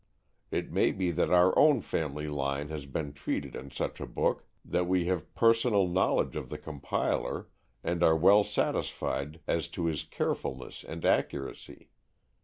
It may be that our own family line has been treated in such a book, that we have personal knowledge of the compiler, and are well satisfied as to his carefulness and accuracy.